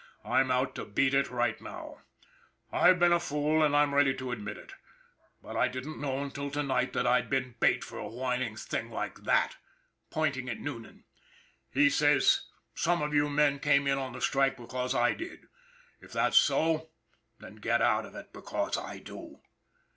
" I'm out to beat it right now ! I've been a fool and I'm ready to admit it. But I didn't know until to night that I'd been bait for a whining thing like that !" pointing at Noonan. " He says some of you men came in on the strike because I did. If that's so, then get out of it because I do.